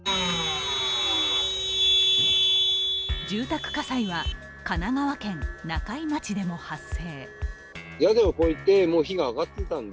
住宅火災は神奈川県中井町でも発生。